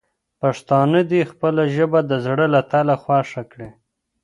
پښتانه دې خپله ژبه د زړه له تله خوښه کړي.